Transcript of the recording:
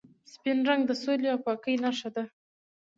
سپین رنګ د سولې او پاکۍ نښه ده.